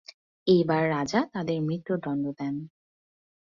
এইবার রাজা তাদের মৃত্যুদণ্ড দেন।